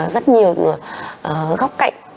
rất nhiều góc cạnh